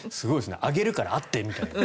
あげるから会ってみたいな。